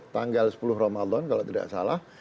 tanggal sepuluh ramadan kalau tidak salah